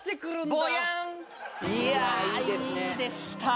ぼやんいやいいでした